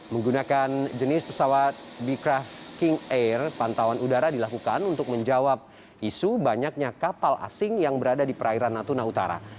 menggunakan jenis pesawat becraf king air pantauan udara dilakukan untuk menjawab isu banyaknya kapal asing yang berada di perairan natuna utara